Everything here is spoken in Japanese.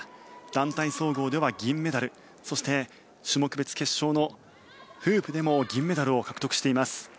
団体総合では銀メダルそして、種目別決勝のフープでも銀メダルを獲得しています。